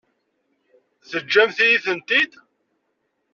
Teǧǧamt-iyi-tent-id?